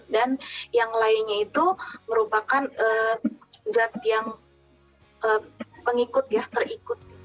dan yang lainnya itu merupakan zat yang terikut